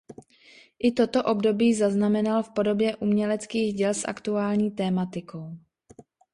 I toto období zaznamenal v podobě uměleckých děl s aktuální tématikou.